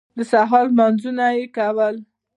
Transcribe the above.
د سهار لمونځونه یې کول.